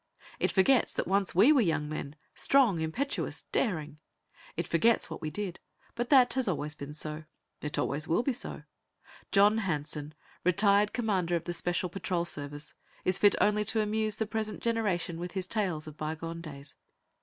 It forgets that once we were young men, strong, impetuous, daring. It forgets what we did; but that has always been so. It always will be so. John Hanson, retired Commander of the Special Patrol Service, is fit only to amuse the present generation with his tales of bygone days.